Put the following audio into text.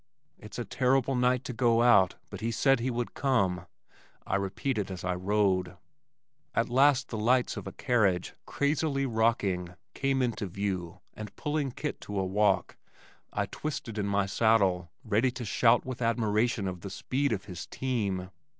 "It's a terrible night to go out, but he said he would come," I repeated as I rode. At last the lights of a carriage, crazily rocking, came into view and pulling Kit to a walk I twisted in my saddle, ready to shout with admiration of the speed of his team.